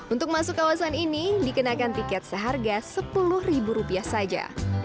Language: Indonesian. untuk masuk kawasan ini dikenakan tiket seharga sepuluh ribu rupiah saja